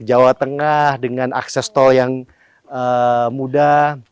jawa tengah dengan akses tol yang mudah